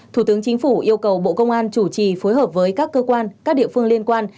thủ tướng chính phủ yêu cầu bộ công an chủ trì phối hợp với các cơ quan các địa phương liên quan